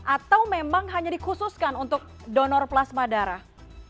atau memang hanya dikhususkan untuk donor plasma darah